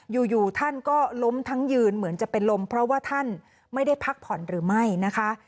อยู่ท่านก็ล้มทั้งยืนเหมือนจะเป็นลมเพราะว่าท่านไม่ได้พักผ่อนหรือไม่นะคะ